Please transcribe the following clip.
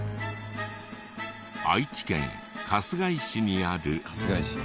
愛知県春日井市にある。